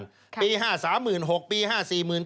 ปี๕๓๖ปี๕๔๙ปี๕๕๖ปี